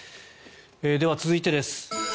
では、続いてです。